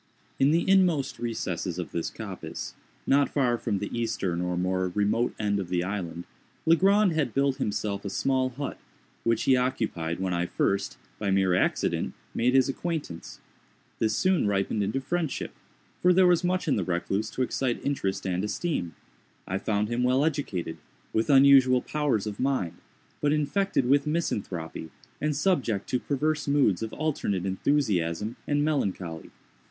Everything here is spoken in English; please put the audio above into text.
In the inmost recesses of this coppice, not far from the eastern or more remote end of the island, Legrand had built himself a small hut, which he occupied when I first, by mere accident, made his acquaintance. This soon ripened into friendship—for there was much in the recluse to excite interest and esteem. I found him well educated, with unusual powers of mind, but infected with misanthropy, and subject to perverse moods of alternate enthusiasm and melancholy.